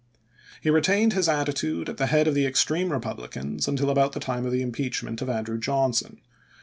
He retained his attitude at the head of the ex treme Eepublicans until about the time of the im peachment of Andrew Johnson.